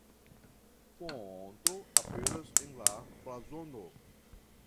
Ponto aperas en la blazono.